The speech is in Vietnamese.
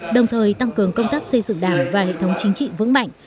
đồng thời tăng cường công tác xây dựng đảng và hệ thống chính trị vững mạnh